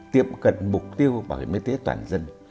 tiệm cận mục tiêu bảo hiểm y tế toàn dân